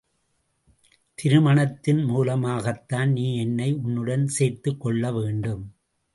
திருமணத்தின் மூலமாகத்தான் நீ என்னை உன்னுடன் சேர்த்துக் கொள்ளவேண்டும்.